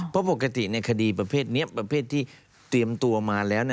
เพราะปกติในคดีประเภทนี้ประเภทที่เตรียมตัวมาแล้ว